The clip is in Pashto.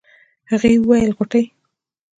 هغې وويل غوټۍ.